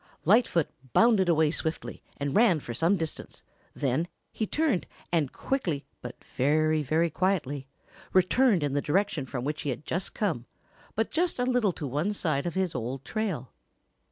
Lightfoot bounded away swiftly and ran for some distance, then he turned and quickly, but very, very quietly, returned in the direction from which he had just come but a little to one side of his old trail.